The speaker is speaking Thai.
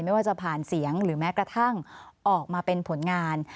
ไม่ว่าจะผ่านเสียงหรือแม้กระทั่งออกมาเป็นผลงาน